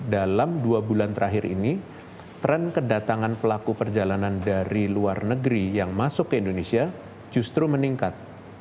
dalam dua bulan terakhir ini tren kedatangan pelaku perjalanan dari luar negeri yang masuk ke indonesia justru meningkat